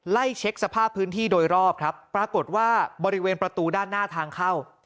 เช็คสภาพพื้นที่โดยรอบครับปรากฏว่าบริเวณประตูด้านหน้าทางเข้า